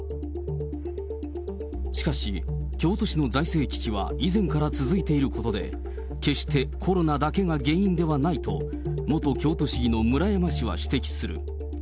しかし、京都市の財政危機は以前から続いていることで、決してコロナだけが原因ではないと、元京都市議の村山氏は指摘する。